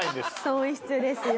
損失ですよ。